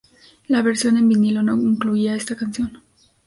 La versión en vinilo no incluía está canción.